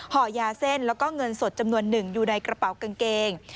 ห่อยาเส้นแล้วก็เงินสดจำนวนหนึ่งอยู่ในกระเป๋ากางเกง